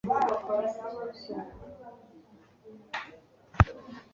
umugore we akitwa nawomi